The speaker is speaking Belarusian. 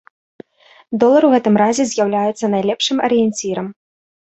Долар у гэтым разе з'яўляецца найлепшым арыенцірам.